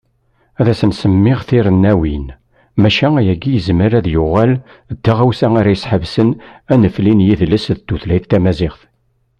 Ad asent-semmiɣ tirennawin, maca ayagi yezmer ad yuɣal d taɣawsa ara iḥebsen anefli n yidles d tutlayt tamaziɣt.